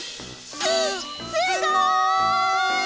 すごい！